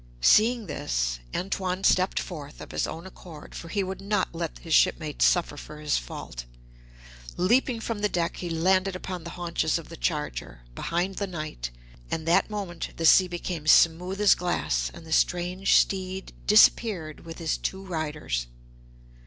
Seeing this, Antoine stepped forth of his own accord, for he would not let his shipmates suffer for his fault. Leaping from the deck, he landed upon the haunches of the charger, behind the knight, and that moment the sea became smooth as glass, and the strange steed disappeared with his two riders.